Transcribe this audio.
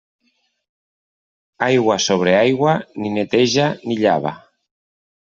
Aigua sobre aigua, ni neteja, ni llava.